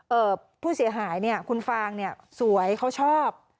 ผู้เสียหายเนี่ยคุณฟางเนี่ยสวยเขาชอบ